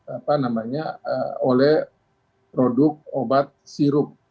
apa namanya oleh produk obat sirup